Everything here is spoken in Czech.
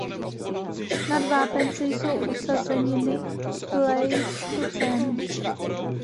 Nad vápenci jsou usazeniny pleistocénu.